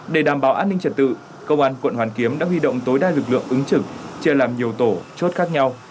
để đảm bảo an ninh trật tự công an quận hoàn kiếm đã huy động tối đa lực lượng ứng trực chia làm nhiều tổ chốt khác nhau